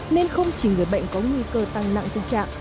nên không chỉ người bệnh có nguy cơ tăng nặng tình trạng